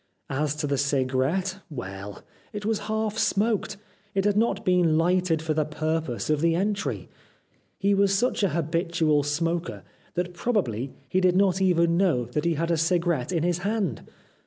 As to the cigarette, well, it was half smoked. It had not been hghted for the pur pose of the entry. He was such a habitual smoker that probably he did not even know that 324 The Life of Oscar WiiHe he had a cigarette in his hand.